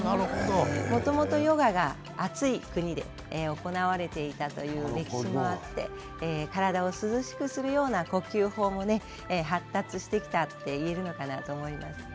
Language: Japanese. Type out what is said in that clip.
もともとヨガが暑い国で行われていたという歴史もあって体を涼しくするような呼吸法で発達してきたと言えるのかなと思います。